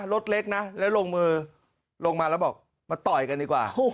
รถเล็กนะแล้วลงมือลงมาแล้วบอกมาต่อยกันดีกว่า